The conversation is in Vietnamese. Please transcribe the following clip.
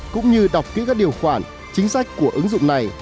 cũng như đọc kỹ các điều khoản chính sách của ứng dụng này